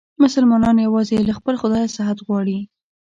مسلمانان یووازې له خپل خدایه صحت غواړي.